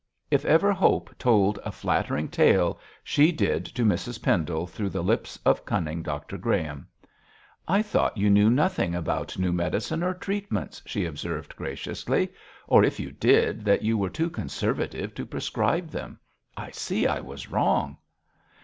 If ever Hope told a flattering tale, she did to Mrs Pendle through the lips of cunning Dr Graham. 'I thought you knew nothing about new medicines or treatments,' she observed graciously; 'or, if you did, that you were too conservative to prescribe them. I see I was wrong.'